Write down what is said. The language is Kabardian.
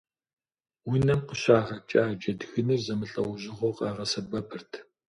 Унэм къыщагъэкӏа джэдгыныр зэмылӏэужьыгъуэу къагъэсэбэпырт.